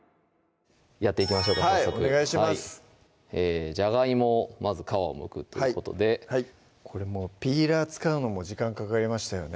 やっていきましょうか早速はいお願いしますじゃがいもをまず皮をむくということでこれもうピーラー使うのも時間かかりましたよね